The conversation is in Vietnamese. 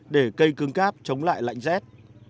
để cây cương cáp chống lại lạnh rét